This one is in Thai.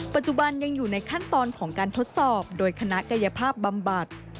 ปัจจุบันยังอยู่ในขั้นตอนของการทดสอบโดยคณะกายภาพบำบัด